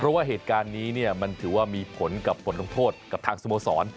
เพราะว่าเหตุการณ์นี้มันถือว่ามีผลกับผลลงโทษกับทางสโมสร